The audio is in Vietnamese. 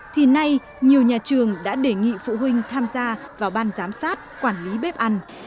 thì nay nhiều nhà trường đã đề nghị phụ huynh tham gia vào ban giám sát quản lý bếp ăn